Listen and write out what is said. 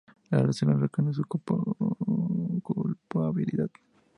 Al hacerlo reconoce su culpabilidad.